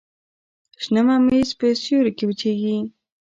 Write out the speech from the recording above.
شنه ممیز په سیوري کې وچیږي.